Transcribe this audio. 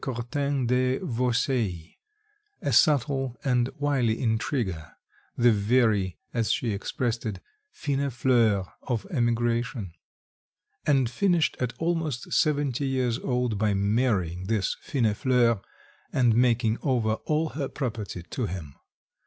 Courtin de Vaucelles, a subtle and wily intriguer the very, as she expressed it, fine fleur of emigration and finished at almost seventy years old by marrying this "fine fleur," and making over all her property to him.